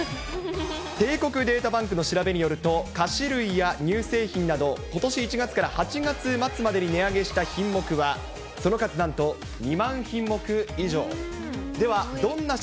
帝国データバンクの調べによると、菓子類や乳製品など、ことし１月から８月末までに値上げした品目は、その数、なんと２万品目以上。